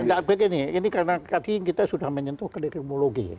tidak tidak ini karena tadi kita sudah menyentuh keleirmologi